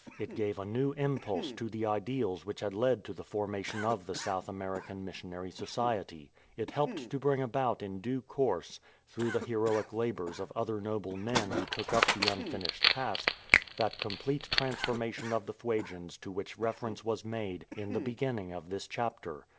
It gave a new impulse to the ideals which had led to the formation of the South American Missionary Society. It helped to bring about in due course, through the heroic labours of other noble men who took up the unfinished task, that complete transformation of the Fuegians to which reference was made in the beginning of this chapter.